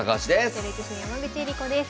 女流棋士の山口恵梨子です。